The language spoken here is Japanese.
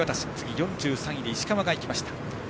４３位で石川が行きました。